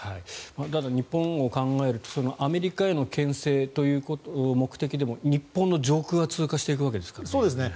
ただ日本を考えるとアメリカへのけん制という目的でも日本の上空は通過していくわけですからね。